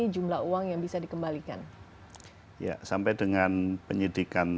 juga tetap akan memberikan